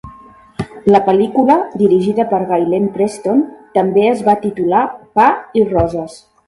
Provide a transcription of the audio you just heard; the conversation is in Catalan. La pel·lícula, dirigida per Gaylene Preston, també es va titular "Pa i Roses".